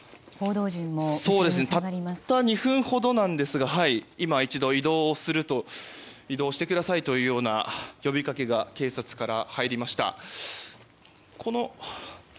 たった２分ほどなんですが今、一度移動してくださいという呼びかけが警察から入りました。